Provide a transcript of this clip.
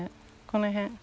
この辺。